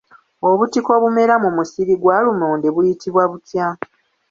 Obutiko obumera mu musiri gwa lumonde buyitibwa butya?